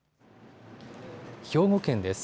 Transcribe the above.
兵庫県です。